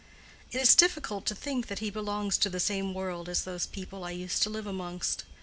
"It is difficult to think that he belongs to the same world as those people I used to live amongst.